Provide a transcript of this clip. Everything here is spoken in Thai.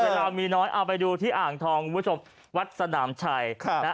เรามีน้อยเอาไปดูที่อ่างทองคุณผู้ชมวัดสนามชัยนะ